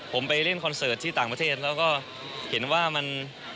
ผมไปเล่นคอนเสิร์ตที่ต่างประเทศแล้วก็เห็นว่ามัน